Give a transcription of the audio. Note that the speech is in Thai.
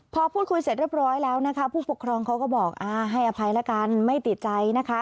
พอพูดคุยเสร็จเรียบร้อยแล้วนะคะผู้ปกครองเขาก็บอกให้อภัยแล้วกันไม่ติดใจนะคะ